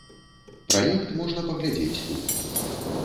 Праект можна паглядзець тут.